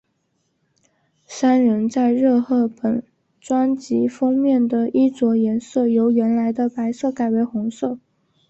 三人在热贺本专辑封面的衣着颜色由原来的白色改为红色。